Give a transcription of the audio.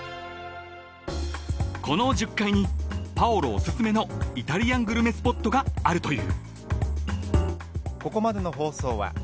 ［この１０階にパオロおすすめのイタリアングルメスポットがあるという］